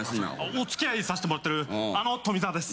お付き合いさせてもらってるあの富澤です。